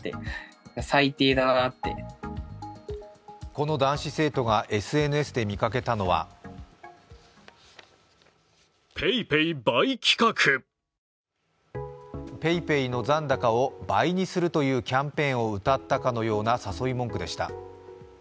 この男子生徒がＳＮＳで見かけたのはＰａｙＰａｙの残高を倍にするというキャンペーンをうたったかのような誘い文句でした。